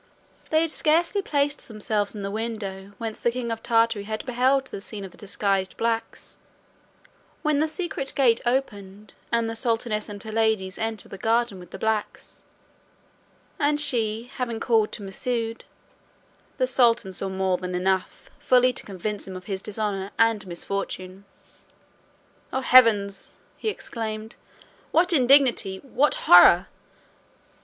They had scarcely placed themselves in the window whence the king of Tartary had beheld the scene of the disguised blacks, when the secret gate opened, the sultaness and her ladies entered the garden with the blacks, and she having called to Masoud, the sultan saw more than enough fully to convince him of his dishonour and misfortune. "Oh heavens!" he exclaimed, "what indignity! What horror!